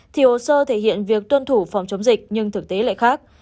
thì hồ sơ thể hiện việc tuân thủ phòng chống dịch nhưng thực tế lại khác